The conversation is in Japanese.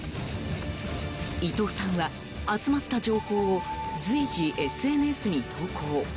伊藤さんは、集まった情報を随時ＳＮＳに投稿。